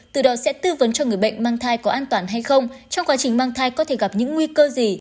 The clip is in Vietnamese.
từ đó sẽ tư vấn cho người bệnh mang thai có an toàn hay không trong quá trình mang thai có thể gặp những nguy cơ gì